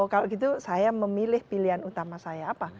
kalau gitu saya memilih pilihan utama saya apa